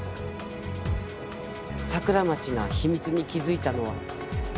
桜町が秘密に気づいたのは。